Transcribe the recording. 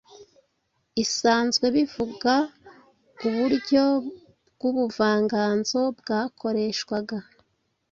isanzwebivuga uburyo bwubuvanganzo bwakoreshwaga